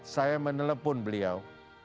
saya menelpon beliau